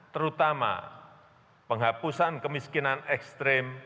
terutama penghapusan kemiskinan ekstrim